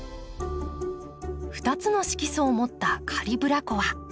２つの色素を持ったカリブラコア。